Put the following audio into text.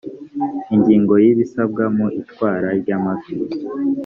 ingingo ya ibisabwa mu itwara ry amafi